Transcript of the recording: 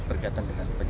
belum tahu pak